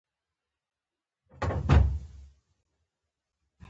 سوله د دموکراسۍ او ازادۍ پراختیا لپاره مهمه ده.